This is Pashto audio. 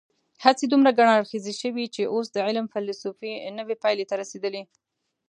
هڅې دومره ګڼ اړخیزې شوي چې اوس د علم فېلسوفي نوې پایلې ته رسېدلې.